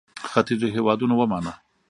ختیځو هېوادونو ومانه.